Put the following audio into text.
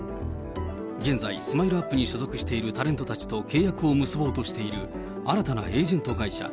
現在、ＳＭＩＬＥーＵＰ．に所属しているタレントたちと契約を結ぼうとしている新たなエージェント会社。